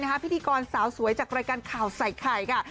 แต่ว่าเป็นการสาวสวยจากรายการข่าวใส่ไข่ค่ะ